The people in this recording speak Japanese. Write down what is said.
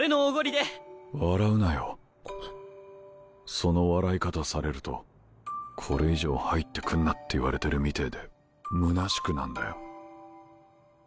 その笑い方されるとこれ以上入ってくんなって言われてるみてぇでむなしくなんだよ。